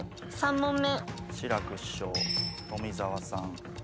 志らく師匠富澤さん。